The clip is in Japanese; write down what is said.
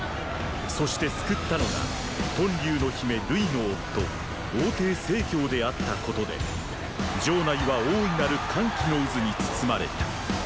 そして救ったのが屯留の姫・瑠衣の夫王弟・成であったことで城内は大いなる歓喜の渦に包まれた。